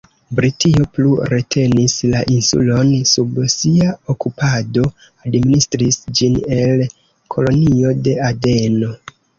Britio plu retenis la insulon sub sia okupado, administris ĝin el Kolonio de Adeno.